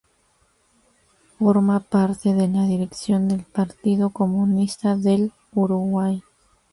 Forma parte de la dirección del Partido Comunista del Uruguay.